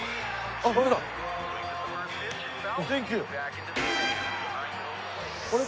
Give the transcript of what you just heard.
あれ？